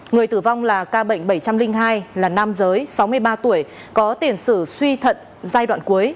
người tử vong là ca bệnh bảy trăm linh hai là nam giới sáu mươi ba tuổi có tiền sử suy thận giai đoạn cuối